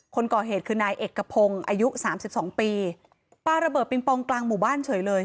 คนก่อเหตุคือนายเอกกระพงอายุ๓๒ปีปลาระเบิดปริงปองกลางหมู่บ้านเฉยเลย